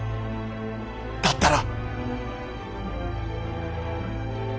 だったら！